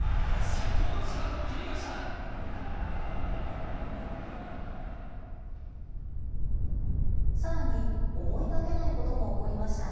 最高のスタートを切りました。